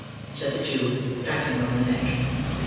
said the Jew, patting her on the neck.